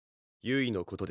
ゆいのこと！